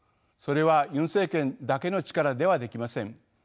それはユン政権だけの力ではできません。